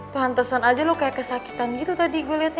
pantesan aja lo kayak kesakitan gitu tadi gue liatnya